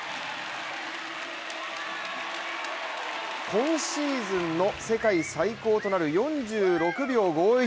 今シーズンの世界最高となる４６秒５１。